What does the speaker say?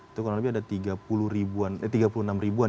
itu kurang lebih ada tiga puluh enam ribuan